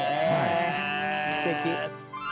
えすてき。